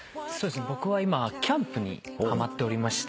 僕は今キャンプにはまっておりまして。